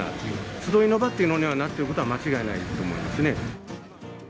集いの場というのになっているのは間違いないと思いますね。